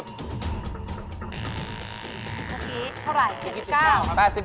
ตอนนี้เท่าไร๗๙เบอร์ครับ๘๙